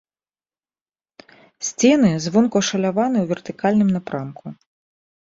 Сцены звонку ашаляваны ў вертыкальным напрамку.